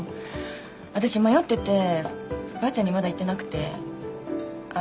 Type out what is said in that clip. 私迷っててばあちゃんにまだ言ってなくてあっ